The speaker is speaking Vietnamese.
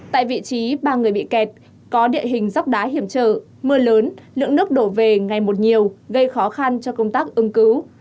tại vị trí ba người bị kẹt có địa hình dốc đá hiểm trở mưa lớn lượng nước đổ về ngày một nhiều gây khó khăn cho công tác ứng cứu